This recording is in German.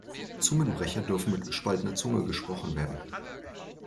Zungenbrecher dürfen mit gespaltener Zunge gesprochen werden.